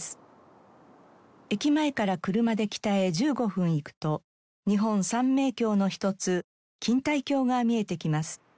駅前から車で北へ１５分行くと日本三名橋の一つ錦帯橋が見えてきます。